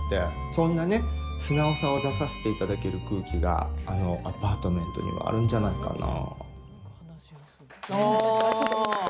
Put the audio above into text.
そんなね、素直さを出させていただける空気があのアパートメントにはあるんじゃないかな。